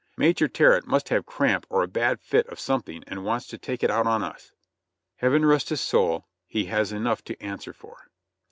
Major Terrett must have cramp or a bad fit of some thing and wants to take it out on us," Heaven rest his soul, he has enough to answer for.